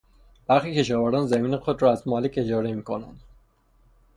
برخی کشاورزان زمین خود را از مالک اجاره میکنند.